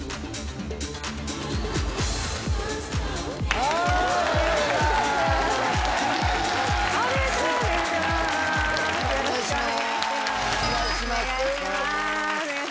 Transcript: お願いします。